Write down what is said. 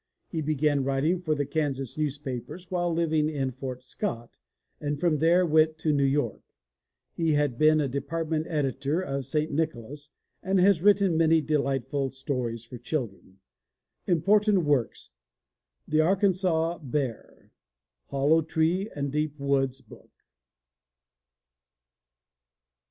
He began writing for the Kansas newspapers while living in Fort Scott, and from there went to New York. He has been a department editor of St. Nicholas and has written many delightful stories for children. Important Works: The Arkansaw Bear. Hollow Tree and Deep Woods Book.